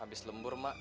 abis lembur mbak